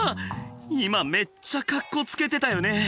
今めっちゃカッコつけてたよね！？